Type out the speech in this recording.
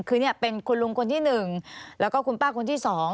คือเนี่ยเป็นคุณลุงคนที่หนึ่งแล้วก็คุณป้าคนที่สอง